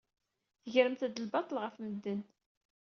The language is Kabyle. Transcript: Tegremt-d lbaṭel ɣef medden.